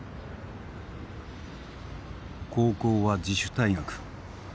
高校は自主退学。